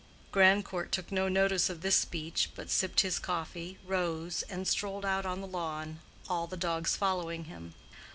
Grandcourt took no notice of this speech, but sipped his coffee, rose, and strolled out on the lawn, all the dogs following him.